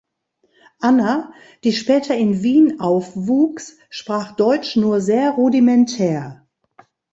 Anna, die später in Wien aufwuchs, sprach deutsch nur sehr rudimentär.